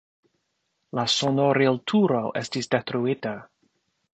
La sonorilturo estis detruita.